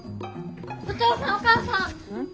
お父さんお母さん！